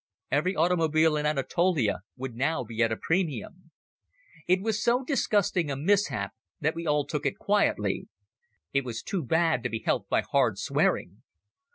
Every automobile in Anatolia would now be at a premium. It was so disgusting a mishap that we all took it quietly. It was too bad to be helped by hard swearing.